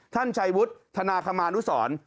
ท่านชัยวุฒิธนาคมานุสร